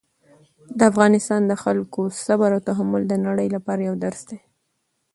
د افغانستان د خلکو صبر او تحمل د نړۍ لپاره یو درس دی.